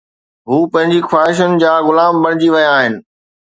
هو پنهنجي خواهشن جا غلام بڻجي ويا آهن.